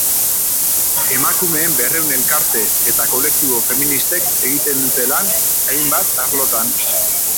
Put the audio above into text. Emakumeen berrehun elkarte eta kolektibo feministek egiten dute lan hainbat arlotan.